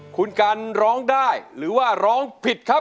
คุณกันร้องได้หรือว่าร้องผิดครับ